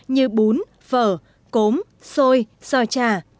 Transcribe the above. như bún phở cốm xôi xòi trà